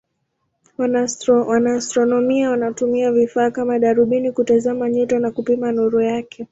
Wanaastronomia wanatumia vifaa kama darubini kutazama nyota na kupima nuru yake.